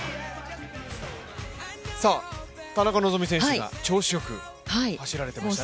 田中希実選手が調子よく走られてましたね。